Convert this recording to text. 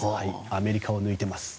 アメリカを抜いています。